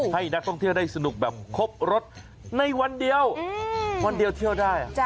ให้นักท่องเที่ยวได้สนุกแบบครบรสในวันเดียววันเดียวเที่ยวได้